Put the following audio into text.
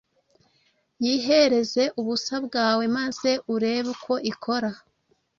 Yihereze ubusa bwawe maze urebe uko ikora.